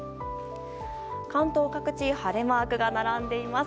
関東各地、晴れマークが並んでいます。